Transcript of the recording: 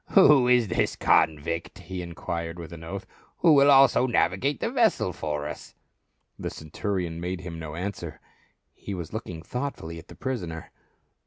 "Who is this convict," he enquired with an oath, "who will also navigate the vessel for us ?" The centurion made him no answer, he was looking thoughtfully at the prisoner.